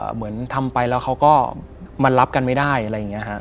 เหมือนทำไปแล้วเขาก็มันรับกันไม่ได้อะไรอย่างนี้ฮะ